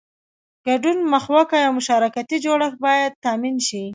ګډون مخوکی او مشارکتي جوړښت باید تامین شي.